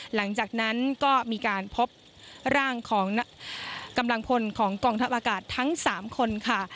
หลังจากนั้นก็มีการพบร่างของกำลังพลของกองทัพอากาศทั้ง๓คนค่ะ